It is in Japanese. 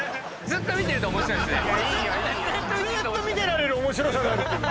ずっと見てられる面白さがあるっていう。